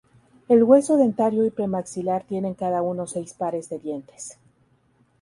El hueso dentario y premaxilar tienen cada uno seis pares de dientes.